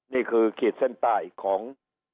นี่คือขีดเส้นใต้ของ